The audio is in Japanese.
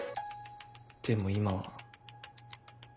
でも今は。